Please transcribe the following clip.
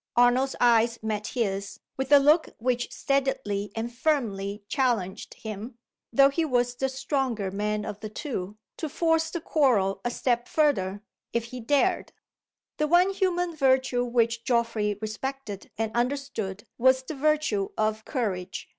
Arnold's eyes met his, with a look which steadily and firmly challenged him though he was the stronger man of the two to force the quarrel a step further, if he dared. The one human virtue which Geoffrey respected and understood was the virtue of courage.